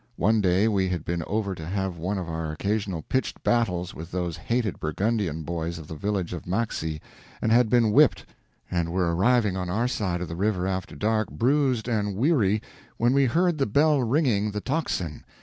One day we had been over to have one of our occasional pitched battles with those hated Burgundian boys of the village of Maxey, and had been whipped, and were arriving on our side of the river after dark, bruised and weary, when we heard the bell ringing the tocsin.